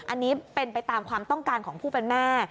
อันนี้เป็นไปตามความต้องการของผู้เป็นแม่